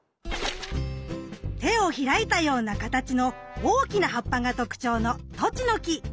手を開いたような形の大きな葉っぱが特徴のトチノキ。